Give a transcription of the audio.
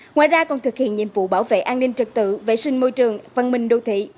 ngoài ra còn thực hiện nhiệm vụ bảo vệ an ninh trật tự vệ sinh môi trường văn minh đô thị